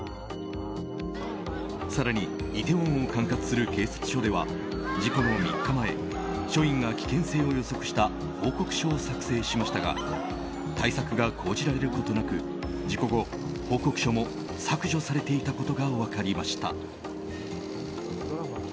更に、イテウォンを管轄する警察署では事故の３日前署員が危険性を予測した報告書を作成しましたが対策が講じられることなく事故後、報告書も削除されていたことが分かりました。